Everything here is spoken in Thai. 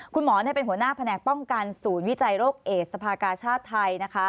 คุณหมอเป็นหัวหน้าแผนกป้องกันศูนย์วิจัยโรคเอสภากาชาติไทยนะคะ